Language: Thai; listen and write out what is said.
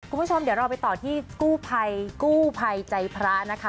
คุณผู้ชมเดี๋ยวเราไปต่อที่กู้ภัยกู้ภัยใจพระนะคะ